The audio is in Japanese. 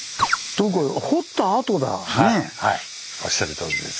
はいはいおっしゃるとおりです。